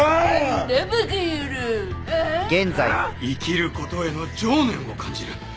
生きることへの情念を感じる。